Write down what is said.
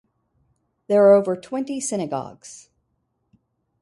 There are over twenty synagogues.